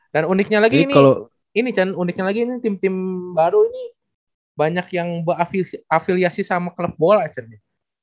dan uniknya lagi ini ini chan uniknya lagi ini tim tim baru ini banyak yang berafiliasi sama klub bola chan ya